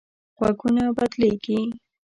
غږونه بدلېږي